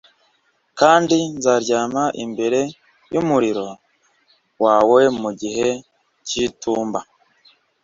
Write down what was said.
Kandi nzaryama imbere y'umuriro wawe mu gihe cy'itumba